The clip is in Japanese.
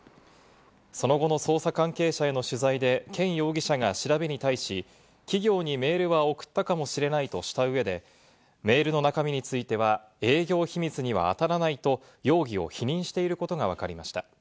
その後の捜査関係者への取材で、ケン容疑者が調べに対し、企業にメールは送ったかもしれないとした上で、メールの中身については、営業秘密にはあたらないと容疑を否認していることがわかりました。